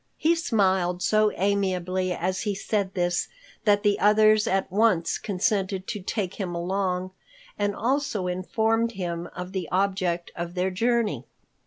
He smiled so amiably as he said this that the others at once consented to take him along, and also informed him of the object of their journey.